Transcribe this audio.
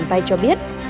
cầm tay cho biết